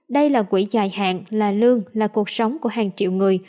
đây là quỹ dài hạn là lương là cuộc sống của hàng triệu người